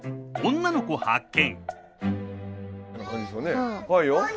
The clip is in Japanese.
女の子発見！